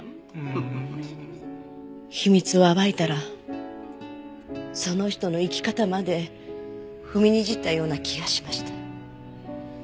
秘密を暴いたらその人の生き方まで踏みにじったような気がしました。